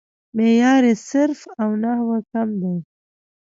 معیاري صرف او نحو کم دی